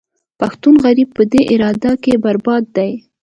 پښتون غریب په دې اداره کې برباد دی